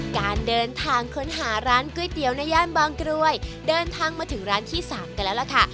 การเดินทางค้นหาร้านก๋วยเตี๋ยวในย่านบางกรวยเดินทางมาถึงร้านที่๓กันแล้วล่ะค่ะ